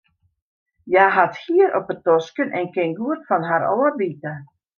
Hja hat hier op de tosken en kin goed fan har ôfbite.